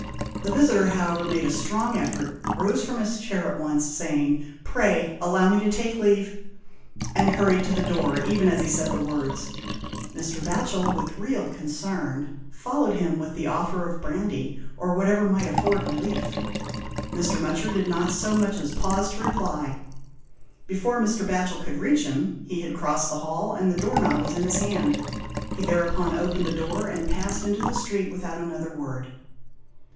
The visitor, however, made a strong effort, rose from his chair at once, saying " Pray allow me to take leave," and hurried to the door even as he said the words. Mr. Batchel, with real concern, followed him with the offer of brandy, or whatever might afford relief. Mr. Mutcher did not so much as pause to reply. 129 aHOST TALES. Before Mr. Batchel could reach him he had crossed the hall, and the door knob was in his hand. He thereupon opened the door and passed into the street without another word.